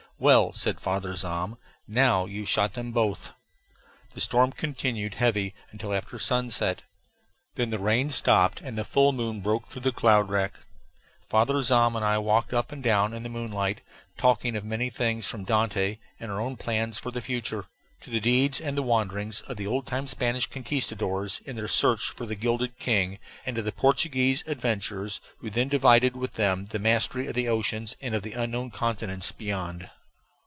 "Well," said Father Zahm, "now you've shot them both!" The storm continued heavy until after sunset. Then the rain stopped and the full moon broke through the cloud rack. Father Zahm and I walked up and down in the moonlight, talking of many things, from Dante, and our own plans for the future, to the deeds and the wanderings of the old time Spanish conquistadores in their search for the Gilded King, and of the Portuguese adventurers who then divided with them the mastery of the oceans and of the unknown continents beyond.